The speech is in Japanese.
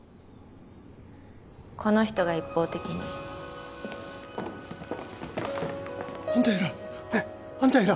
この人が一方的にあんたやな？